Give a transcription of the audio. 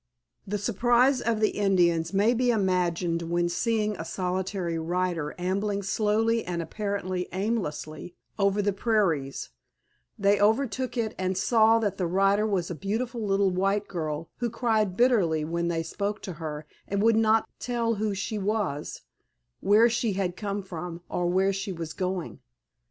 The surprise of the Indians may be imagined when seeing a solitary rider ambling slowly and apparently aimlessly over the prairies, they overtook it and saw that the rider was a beautiful little white girl, who cried bitterly when they spoke to her and would not tell who she was, where she had come from or where she was going.